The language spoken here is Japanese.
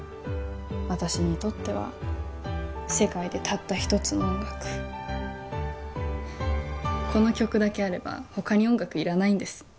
私にとっては世界でたった一つの音楽この曲だけあれば他に音楽いらないんです